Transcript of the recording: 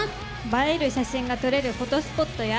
映える写真が撮れるフォトスポットや。